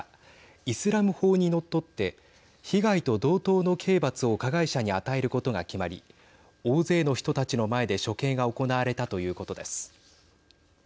イスラム法にのっとって被害と同等の刑罰を加害者に与えることが決まり大勢の人たちの前で処刑が行われたということです。